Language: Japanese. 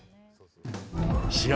試合